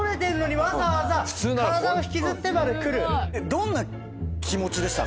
どんな気持ちでした？